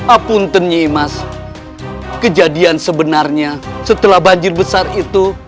apunten nyi imas kejadian sebenarnya setelah banjir besar itu